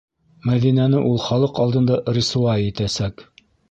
Мәҙинәне ул халыҡ алдында рисуай итәсәк!